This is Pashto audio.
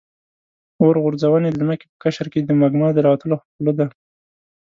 اورغورځونې د ځمکې په قشر کې د مګما د راوتلو خوله ده.